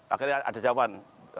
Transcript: akhirnya ada jawaban